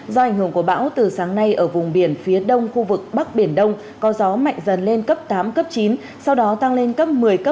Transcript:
do ảnh hưởng của bão từ sáng nay ở vùng biển phía đông khu vực bắc biển đông có gió mạnh dần lên cấp tám cấp chín sau đó tăng lên cấp một mươi cấp một mươi một giật cấp một mươi ba